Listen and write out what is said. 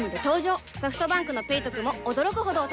ソフトバンクの「ペイトク」も驚くほどおトク